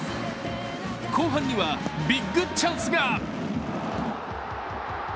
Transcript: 後半にはビッグチャンスが！